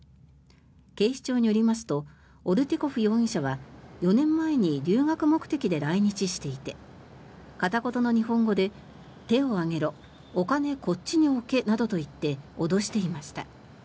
警視庁によりますとオルティコフ容疑者は４年前に留学目的で来日していて片言の日本語で手を上げろお金こっちに置けなどと言って脅していました。